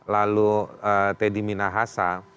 lalu teddy minahasa